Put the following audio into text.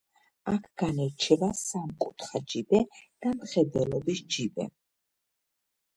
აქ განირჩევა სამკუთხა ჯიბე და მხედველობის ჯიბე.